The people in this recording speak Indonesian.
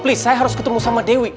please saya harus ketemu sama dewi